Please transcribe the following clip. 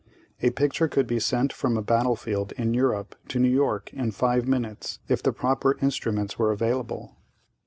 A picture could be sent from a battlefield in Europe to New York in five minutes if the proper instruments were available.